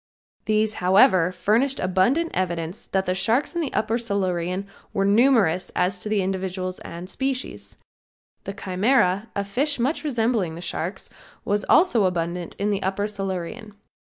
These, however, furnished abundant evidence that the sharks in the upper Silurian were numerous as to individuals and species. The Chimera, a fish much resembling the sharks, was also abundant in the upper Silurian.